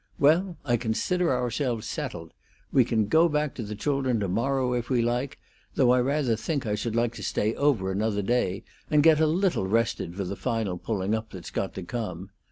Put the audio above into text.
Well, I consider ourselves settled! We can go back to the children to morrow if we like, though I rather think I should like to stay over another day and get a little rested for the final pulling up that's got to come.